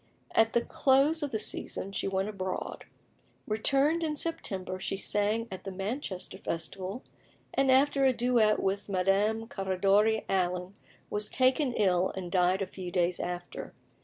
At the close of the season she went abroad. Returned in September, she sang at the Manchester Festival, and after a duet with Madame Caradori Allen, was taken ill, and died a few days after.